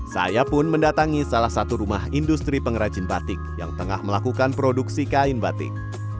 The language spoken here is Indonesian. saya pun mendatangi salah satu rumah industri pengrajin batik yang tengah melakukan produksi kain batik